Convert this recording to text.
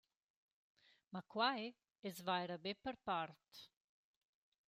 Ma quai es vaira be per part.